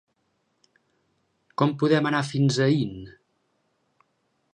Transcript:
Com podem anar fins a Aín?